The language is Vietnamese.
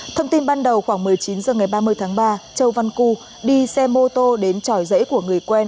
thông tin ban đầu khoảng một mươi chín h ngày ba mươi tháng ba châu văn cư đi xe mô tô đến tròi rễ của người quen